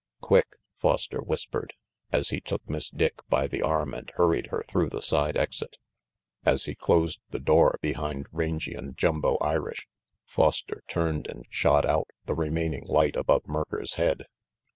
"Quick!" Foster whispered, as he took Miss Dick by the arm and hurried her through the side exit. As he closed the door behind Rangy and Jumbo Irish, Foster turned and shot out the remaining light above Merker's head.